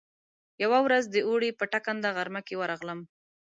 يوه ورځ د اوړي په ټکنده غرمه کې ورغلم.